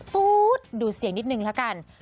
ตู๊ดดูเสียงนิดนึงละกัน